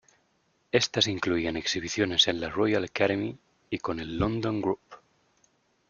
Estas incluían exhibiciones en la Royal Academy y con el London Group.